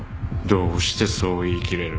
どうしてそう言い切れる？